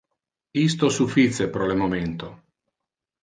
Isto suffice pro le momento.